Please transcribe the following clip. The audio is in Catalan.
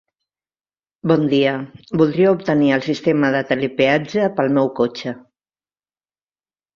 Bon dia, voldria obtenir el sistema de telepeatge pel meu cotxe.